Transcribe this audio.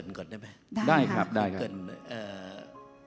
อย่าให้คำถามว่าทำมันเป็นไปจากสิ่งที่ทุกคนรู้จัก